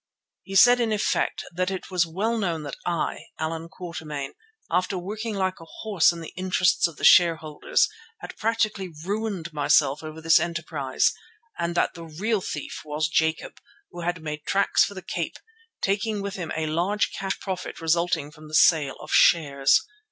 He said in effect that it was well known that I, Allan Quatermain, after working like a horse in the interests of the shareholders, had practically ruined myself over this enterprise, and that the real thief was Jacob, who had made tracks for the Cape, taking with him a large cash profit resulting from the sale of shares.